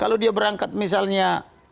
kalau dia berangkat misalnya